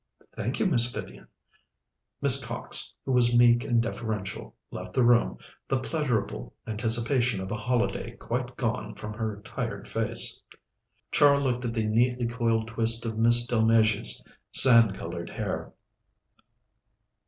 "Thank you, Miss Vivian." Miss Cox, who was meek and deferential, left the room, the pleasurable anticipation of a holiday quite gone from her tired face. Char looked at the neatly coiled twist of Miss Delmege's sand coloured hair.